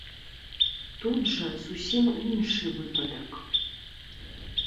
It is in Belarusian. Тут жа зусім іншы выпадак.